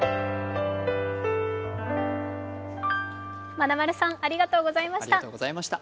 まなまるさんありがとうございました。